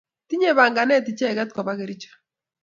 Tinye panganet icheket kopa Kericho